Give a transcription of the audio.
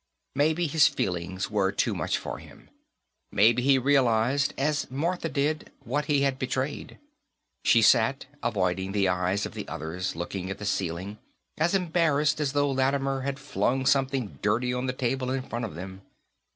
Maybe his feelings were too much for him. Maybe he realized, as Martha did, what he had betrayed. She sat, avoiding the eyes of the others, looking at the ceiling, as embarrassed as though Lattimer had flung something dirty on the table in front of them.